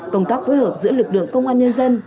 công tác phối hợp giữa lực lượng công an nhân dân